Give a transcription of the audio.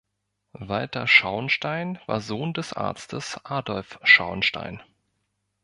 Walter Schauenstein war Sohn des Arztes Adolf Schauenstein.